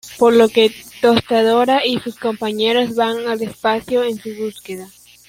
Por lo que Tostadora y sus compañeros van al espacio en su búsqueda.